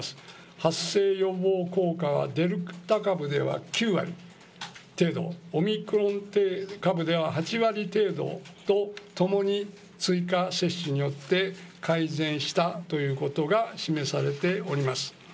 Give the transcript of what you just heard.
発生予防効果は、デルタ株では９割程度、オミクロン株では８割程度と、ともに追加接種によって改善したということが示されております。